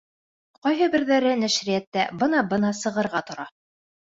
Ҡайһы берҙәре нәшриәттә бына-бына сығырға тора.